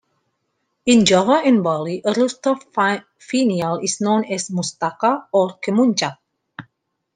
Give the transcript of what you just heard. In Java and Bali, a rooftop finial is known as "mustaka" or "kemuncak".